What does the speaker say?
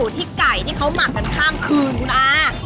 ที่เขามักกันข้ามคืนคุณอา